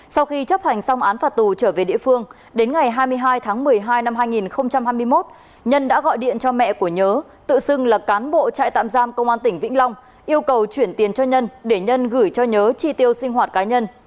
sau khi chấp hành xong án phạt tù trở về địa phương đến ngày hai mươi hai tháng một mươi hai năm hai nghìn hai mươi một nhân đã gọi điện cho mẹ của nhớ tự xưng là cán bộ trại tạm giam công an tỉnh vĩnh long yêu cầu chuyển tiền cho nhân để nhân gửi cho nhớ chi tiêu sinh hoạt cá nhân